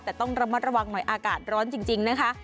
แต่ต้องระมัดระวังหน่อยอากาศร้อนจริงนะคะ